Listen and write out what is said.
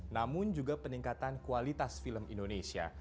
namun juga peningkatan kualitas film indonesia